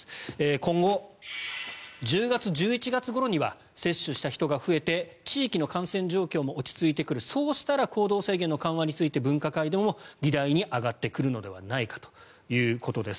今後、１０月１１月ごろには接種した人が増えて地域の感染状況も落ち着いてくるそうしたら行動制限の緩和について分科会でも議題に挙がってくるのではないかということです。